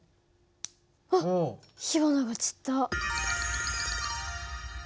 あっ火花が散った。